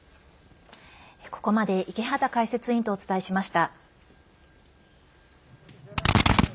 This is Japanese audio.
ここまで池畑解説委員とお伝えしました。